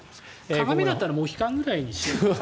鏡だったらモヒカンぐらいに。